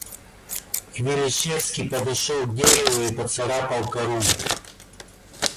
Хвилищевский подошёл к дереву и поцарапал кору.